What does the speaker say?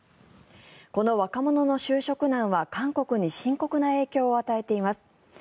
この若者の就職難は韓国に深刻な影響を与えています。